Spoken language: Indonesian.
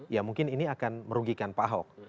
ya mungkin ini akan merugikan pak ahok